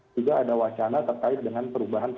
juga ada wacana terkait dengan perubahan